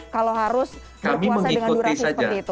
kalau harus berpuasa dengan durasi seperti itu